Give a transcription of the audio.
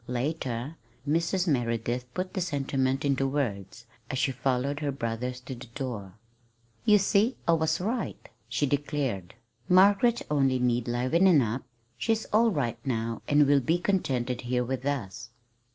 Later, Mrs. Merideth put the sentiment into words, as she followed her brothers to the door. "You see, I was right," she declared. "Margaret only needed livening up. She's all right now, and will be contented here with us."